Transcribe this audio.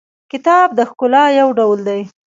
کتاب د ښکلا یو ډول دی.